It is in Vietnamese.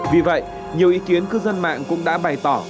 vì vậy nhiều ý kiến cư dân mạng cũng đã bày tỏ